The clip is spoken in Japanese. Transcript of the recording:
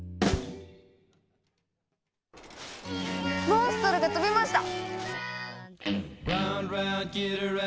モンストロが飛びました！